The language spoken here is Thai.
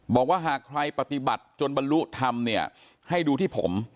บอกว่าหากใครปฏิบัติจนบรรลุธรรมเนี่ยให้ดูที่ผม